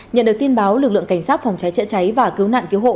nhận được tin báo lực lượng cảnh sát phòng cháy chữa cháy và cứu nạn cứu hộ